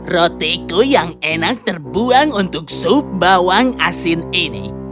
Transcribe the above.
rotiku yang enak terbuang untuk sup bawang asin ini